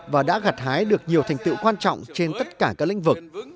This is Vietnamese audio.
và đã gặt hái được nhiều thành tựu quan trọng trên tất cả các lĩnh vực